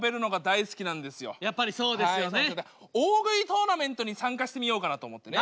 大食いトーナメントに参加してみようかなと思ってね。